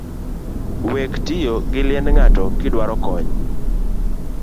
Wek tiyo gi liend ng’ato kiduaro kony